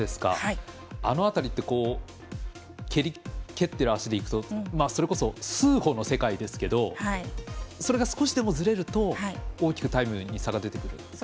あの辺りって蹴ってる足でいうとそれこそ数歩の世界ですけどそれが少しでもずれると大きくタイムに差が出てくる？